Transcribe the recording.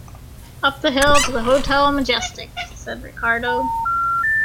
"Up the hill to the Hotel Majestic," said Ricardo.